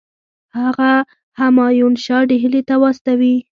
هغه همایون شاه ډهلي ته واستوي.